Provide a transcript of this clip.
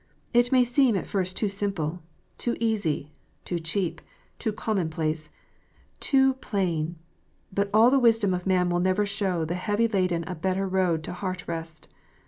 It may seem at first too simple, too easy, too cheap, too commonplace, too plain. But all the wisdom of man will never show the heavy laden a better road to heart rest.